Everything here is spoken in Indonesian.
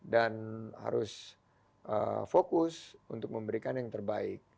dan harus fokus untuk memberikan yang terbaik